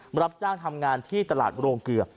มารับจ้างทำงานที่ตลาดโรงเกลือ